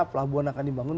pelabuhan akan dibangun